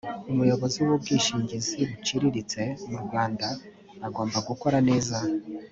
umuyobozi w’ubwishingizi buciriritse mu rwanda agomba gukora neza